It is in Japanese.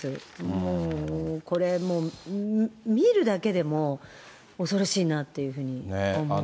もう、これもう、見るだけでも恐ろしいなっていうふうに思うんで。